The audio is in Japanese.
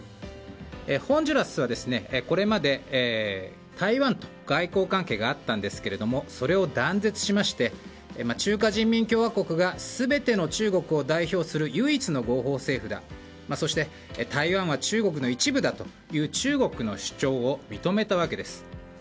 ホンジュラスはこれまで台湾と外交関係があったんですがそれを断絶しまして中華人民共和国が全ての中国を代表する唯一の合法政府だ、そしてそして台湾は中国の一部だという中国の主張を認めたわけです。